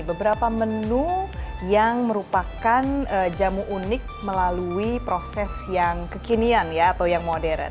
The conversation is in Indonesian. beberapa menu yang merupakan jamu unik melalui proses yang kekinian ya atau yang modern